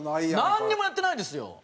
なんにもやってないですよ。